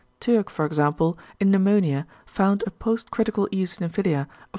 Türk for example in pneumonia found a post critical eosinophilia of 5.